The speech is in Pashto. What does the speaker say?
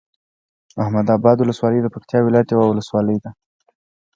احمداباد ولسوالۍ د پکتيا ولايت یوه ولسوالی ده